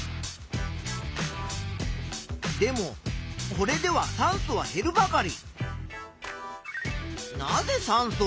でもこれでは酸素は減るばかり。